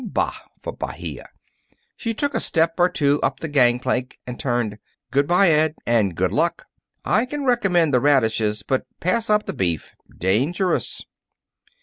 "Bah, for Bahia!" She took a step or two up the gangplank, and turned. "Good by, Ed. And good luck. I can recommend the radishes, but pass up the beef. Dangerous."